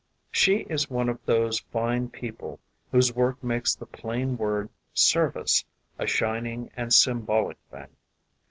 She is one of those fine people whose work makes the plain word "service" a shining and symbolic thing.